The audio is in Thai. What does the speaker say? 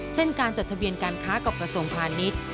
เช่นการจดทะเบียนการค้ากับกระทรวงพาณิชย์